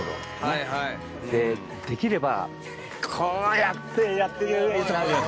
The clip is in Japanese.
できればこうやってやっている。